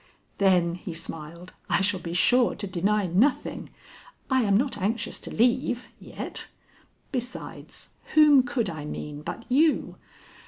"Then," he smiled, "I shall be sure to deny nothing. I am not anxious to leave yet. Besides, whom could I mean but you?